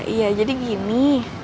iya jadi gini